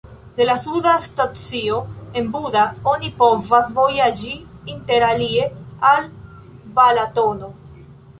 De la suda stacio en Buda oni povas vojaĝi interalie al Balatono.